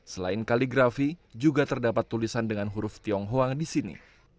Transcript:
selain kaligrafi juga terdapat tulisan dengan huruf tionghoa di sini